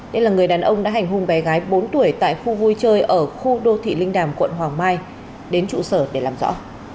nên là người đàn ông đã hành hung bé gái bốn tuổi tại khu vui chơi ở khu đô thị linh đàm quận hoàng mai đến trụ sở để làm rõ